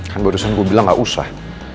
kan barusan gue bilang gak usah